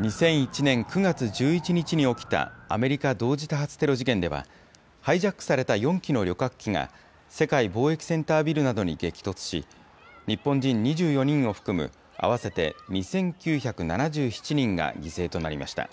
２００１年９月１１日に起きたアメリカ同時多発テロ事件では、ハイジャックされた４機の旅客機が、世界貿易センタービルなどに激突し、日本人２４人を含む合わせて２９７７人が犠牲となりました。